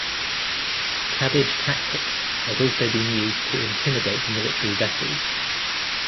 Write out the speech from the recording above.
Cabbage tactics has also been used to intimidate military vessels.